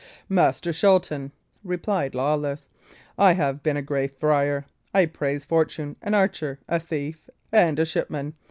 "Master Shelton," replied Lawless, "I have been a Grey Friar I praise fortune an archer, a thief, and a shipman.